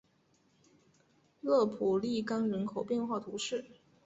勒普利冈人口变化图示